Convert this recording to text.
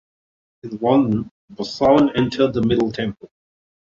In London Boscawen entered the Middle Temple.